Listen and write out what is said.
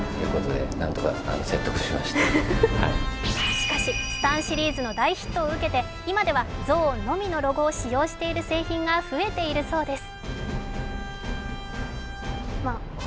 しかし、ＳＴＡＮ．シリーズの大ヒットを受けて、今では象のみのロゴを使用している製品が増えているそうです。